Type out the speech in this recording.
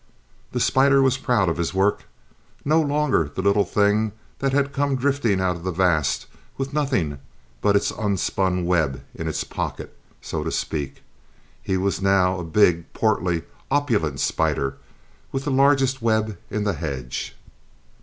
The spider was proud of his work. No longer the little thing that had come drifting out of the vast with nothing but its unspun web in its pocket, so to speak, he was now a big, portly, opulent spider, with the largest web in the hedge.